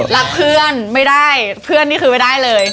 รักเพื่อนไม่ได้เพื่อนนี่คือไม่ได้เลย